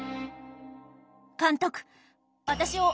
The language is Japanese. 監督